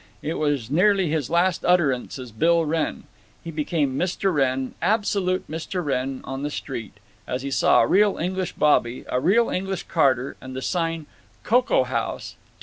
It was nearly his last utterance as Bill Wrenn. He became Mr. Wrenn, absolute Mr. Wrenn, on the street, as he saw a real English bobby, a real English carter, and the sign, "Cocoa House.